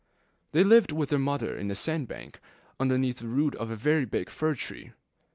They lived with their Mother in a sand bank, underneath the root of a very big fir tree.